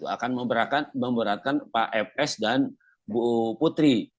akan memberatkan pak fs dan bu putri